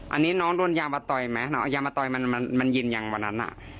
อันนี้น้องโดนยามาต่อยไหมน้องยามาต่อยมันมันมันเย็นยังว่านั้นน่ะ